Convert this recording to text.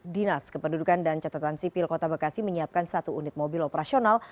dinas kependudukan dan catatan sipil kota bekasi menyiapkan satu unit mobil operasional